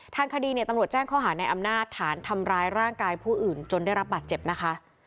ทางคดีเนี่ยตำรวจแจ้งข้อหาในอำนาจฐานทำร้ายร่างกายผู้อื่นจนได้รับบาดเจ็บนะคะ